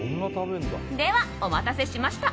では、お待たせしました。